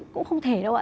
cũng không thể đâu ạ